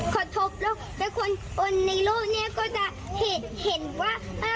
กระทบแล้วคนในโลกเนี่ยก็จะเห็นว่า